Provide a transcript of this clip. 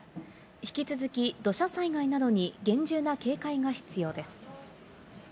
引き続き土砂災害などに厳重な警戒が必要です。